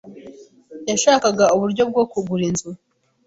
Yashakaga uburyo bwo kugura inzu.